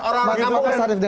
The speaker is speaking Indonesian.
orang kampung dan desa ini